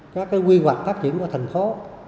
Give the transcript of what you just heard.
các quy hoạch phát triển của thành phố